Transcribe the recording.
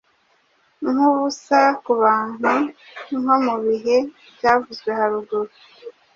Nkubusa kubantu nko mubihe byavuzwe haruguru